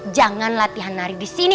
jangan latihan nari disini